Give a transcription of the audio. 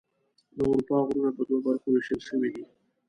د اروپا غرونه په دوه برخو ویشل شوي دي.